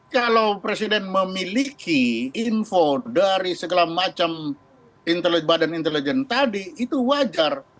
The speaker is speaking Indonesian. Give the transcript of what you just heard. kalau presiden memiliki info dari segala macam badan intelijen tadi itu wajar